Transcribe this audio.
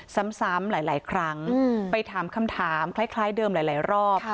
ซ้ำหลายครั้งไปถามคำถามคล้ายเดิมหลายรอบ